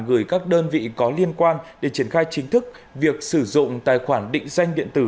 gửi các đơn vị có liên quan để triển khai chính thức việc sử dụng tài khoản định danh điện tử